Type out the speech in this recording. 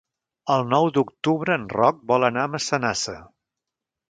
El nou d'octubre en Roc vol anar a Massanassa.